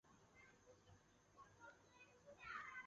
清朝为安徽省泗州盱眙。